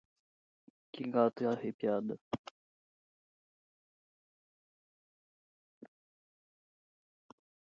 Que gata arrepiada.